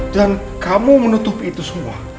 dan kamu menutupi itu semua